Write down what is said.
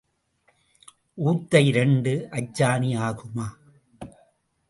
ஊத்தை திரண்டு அச்சாணி ஆகுமா?